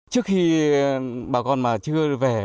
trước khi bà con mà chưa về